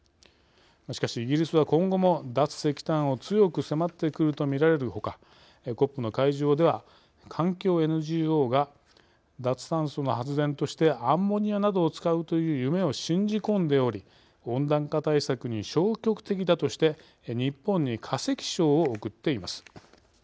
しかしイギリスは今後も脱石炭を強く迫ってくるとみられるほかＣＯＰの会場では、環境ＮＧＯが「脱炭素の発電としてアンモニアなどを使うという夢を信じ込んでおり温暖化対策に消極的だ」として日本に化石賞をおくっています。